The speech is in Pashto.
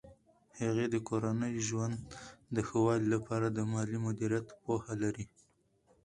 هغې د کورني ژوند د ښه والي لپاره د مالي مدیریت پوهه لري.